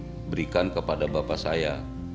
apa yang diberikan kepada bapak saya